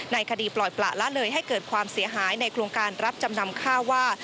คดีปล่อยประละเลยให้เกิดความเสียหายในโครงการรับจำนำข้าวว่า